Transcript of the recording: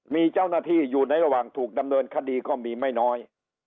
มีแจ้วนาทีอยู่ในระหว่างถูกคดีก็มีไม่น้อย